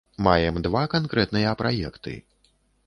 Маем два канкрэтныя праекты.